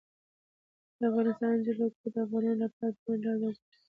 د افغانستان جلکو د افغانانو لپاره په معنوي لحاظ ارزښت لري.